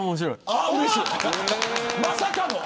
まさかの。